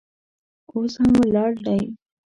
اوس هم ولاړ دی.